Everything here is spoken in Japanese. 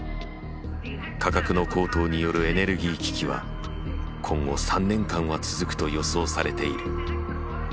価格の高騰によるエネルギー危機は今後３年間は続くと予想されている。